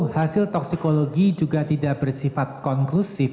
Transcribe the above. hasil toksikologi juga tidak bersifat konklusif